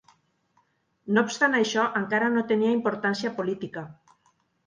No obstant això, encara no tenia importància política.